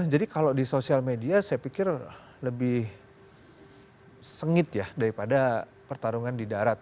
jadi kalau di social media saya pikir lebih sengit ya daripada pertarungan di darat